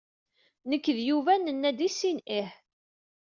Nek d Yuba nenna-d i sin ih.